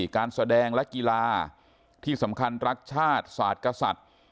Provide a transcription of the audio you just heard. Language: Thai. การแสดงและกีฬาที่สำคัญรักชาติศาสตร์กษัตริย์